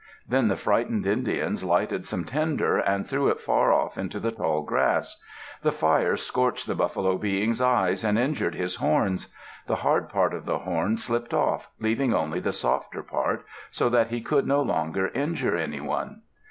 Then the frightened Indians lighted some tinder, and threw it far off into the tall grass. The fire scorched the Buffalo Being's eyes, and injured his horns. The hard part of the horn slipped off, leaving only the softer part, so that he could no longer injure any one.